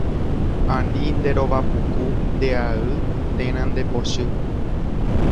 Ani nderovapuku, ndeay térã ndepochy.